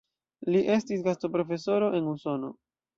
Li estis gastoprofesoro en Usono.